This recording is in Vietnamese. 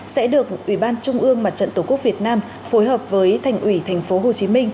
sẽ được ủy ban trung ương mặt trận tổ quốc việt nam phối hợp với thành ủy tp hcm